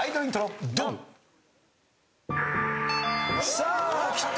さあきた。